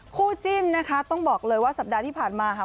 คู่จิ้นนะคะต้องบอกเลยว่าสัปดาห์ที่ผ่านมาค่ะ